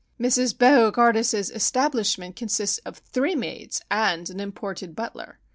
"Mrs. Bo gardus's establishment consists of three maids and an imported butler.